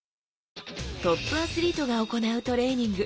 トップアスリートが行うトレーニング。